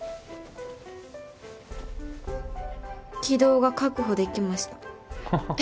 気道が確保できました。